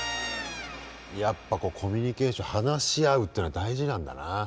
やっぱコミュニケーション話し合うっていうのは大事なんだな。